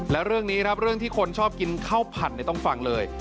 และเรื่องนี้ครับเรื่องที่คนชอบกินข้าวผัดต้องฟังเลย